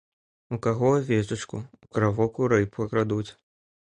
У каго авечачку, у каго курэй пакрадуць.